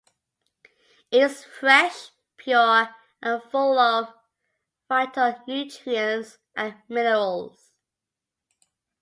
It is fresh, pure, and full of vital nutrients and minerals.